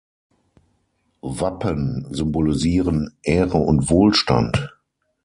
Wappen symbolisieren Ehre und Wohlstand.